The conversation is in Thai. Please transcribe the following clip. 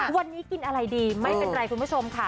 วันนี้กินอะไรดีไม่เป็นไรคุณผู้ชมค่ะ